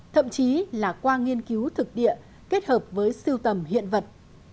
thậm chí là qua nghiên cứu thực địa kết hợp với siêu tầm hiện vật